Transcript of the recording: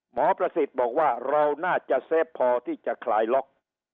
หมอประสิทธิ์บอกว่าเราน่าจะเซฟพอที่จะคลายล็อก